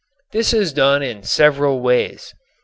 This is done in several ways.